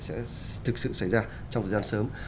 sẽ thực sự xảy ra trong thời gian sớm